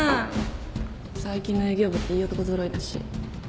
最近の営業部っていい男揃いだし。